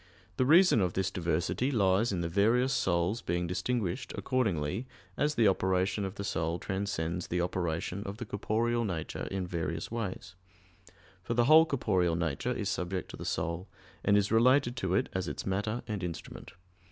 The reason of this diversity lies in the various souls being distinguished accordingly as the operation of the soul transcends the operation of the corporeal nature in various ways; for the whole corporeal nature is subject to the soul, and is related to it as its matter and instrument.